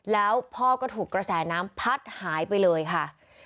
แล้วพ่อก็ถูกกระแสน้ำพัดหายไปเลยค่ะ